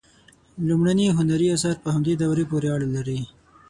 لومړني هنري آثار په همدې دورې پورې اړه لري.